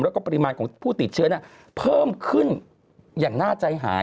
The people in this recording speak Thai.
แล้วก็ปริมาณของผู้ติดเชื้อเพิ่มขึ้นอย่างน่าใจหาย